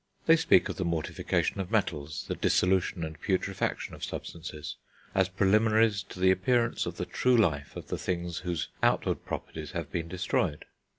They speak of the mortification of metals, the dissolution and putrefaction of substances, as preliminaries to the appearance of the true life of the things whose outward properties have been destroyed.